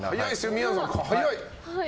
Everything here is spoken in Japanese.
宮野さん早い！